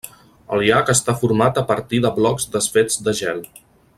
El llac està format a partir de blocs desfets de gel.